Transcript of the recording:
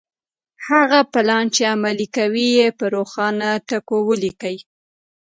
هغه پلان چې عملي کوئ يې په روښانه ټکو وليکئ.